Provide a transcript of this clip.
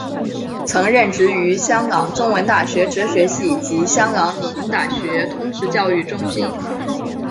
曾任教于香港中文大学哲学系及香港理工大学通识教育中心。